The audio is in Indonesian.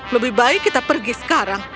lebih baik kita pergi sekarang